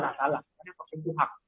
nah salah karena vaksin itu hak